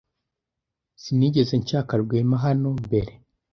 Sinigeze nshaka Rwema hano mbere.